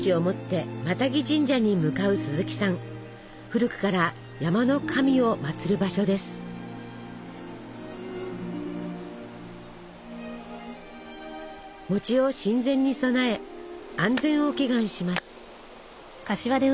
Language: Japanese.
古くから山の神をまつる場所です。を神前に供え安全を祈願します。